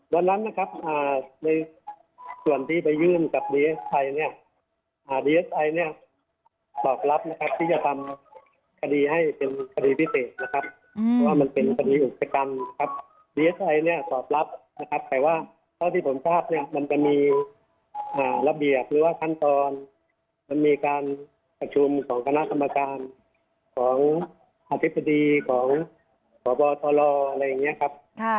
วันนั้นนะครับในส่วนที่ไปยื่นกับดีเอสไอเนี่ยดีเอสไอเนี่ยตอบรับนะครับที่จะทำคดีให้เป็นคดีพิเศษนะครับเพราะว่ามันเป็นคดีอุจกรรมครับดีเอสไอเนี่ยตอบรับนะครับแต่ว่าเท่าที่ผมทราบเนี่ยมันจะมีระเบียบหรือว่าขั้นตอนมันมีการประชุมของคณะกรรมการของอธิบดีของพบตรอะไรอย่างนี้ครับ